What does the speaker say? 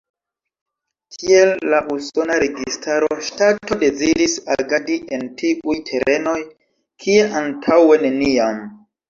Tiel la usona registaro, ŝtato deziris agadi en tiuj terenoj, kie antaŭe neniam.